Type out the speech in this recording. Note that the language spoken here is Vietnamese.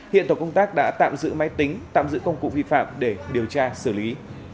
hiện tổ công tác đã tạm giữ máy tính tạm giữ công cụ vi phạm để điều tra xử lý